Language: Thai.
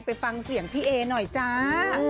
ไปฟังเสียงพี่เอหน่อยจ้า